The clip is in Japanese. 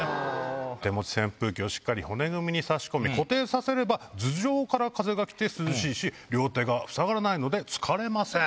手持ち扇風機をしっかり骨組みに差し込み固定させれば頭上から風がきて涼しいし両手がふさがらないので疲れません。